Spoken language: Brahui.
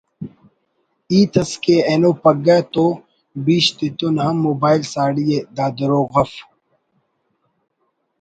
ہیت اس کہ اینو پگہ تو بیش تتون ہم موبائل ساڑی ءِ ……دا دروغ اف